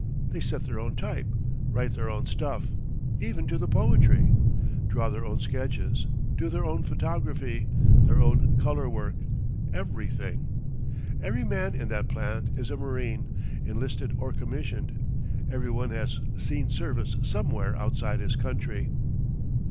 They set their own type, write their own stuff (even to the poetry), draw their own sketches, do their own photography, their own color work everything. Every man in that plant is a marine, enlisted or commissioned. Every one has seen service somewhere outside his country.